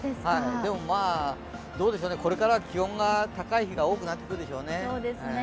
でも、これから気温が高い日が多くなってくるでしょうね。